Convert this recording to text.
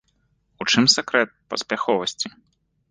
У чым сакрэт паспяховасці?